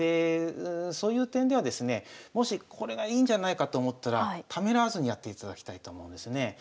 そういう点ではですねもしこれがいいんじゃないかと思ったらためらわずにやっていただきたいと思うんですね。